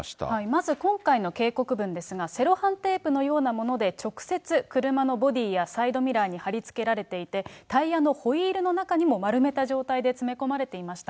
まず今回の警告文ですが、セロハンテープのようなもので直接、車のボディーやサイドミラーに貼り付けられていて、タイヤのホイールの中にも丸めた状態で詰め込まれていました。